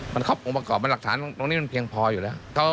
มันครบองค์ประกอบมันหลักฐานตรงนี้มันเพียงพออยู่แล้ว